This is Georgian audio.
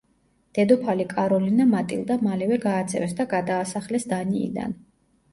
დედოფალი კაროლინა მატილდა მალევე გააძევეს და გადაასახლეს დანიიდან.